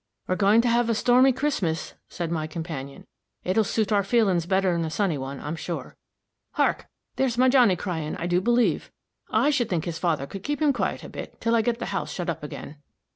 "We're goin' to have a stormy Christmas," said my companion. "It'll suit our feelin's better'n a sunny one, I'm sure. Hark! there's my Johnny cryin', I do believe! I should think his father could keep him quiet a bit, till I get the house shut up again."